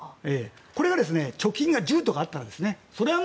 これが貯金が１０とかあったらそりゃあ